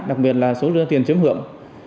đặc biệt là số lượng tiền chiếm hưởng